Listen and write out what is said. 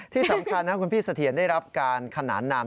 ที่สำคัญนะคุณพี่เสถียรได้รับการขนานนาม